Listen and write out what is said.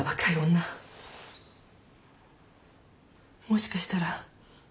もしかしたら。